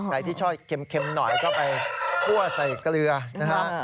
ใครที่ชอบเค็มหน่อยก็ไปคั่วใส่เกลือนะฮะ